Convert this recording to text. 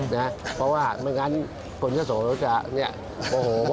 เพราะว่าไม่งั้นคนเยอะโสจะโอ้โฮ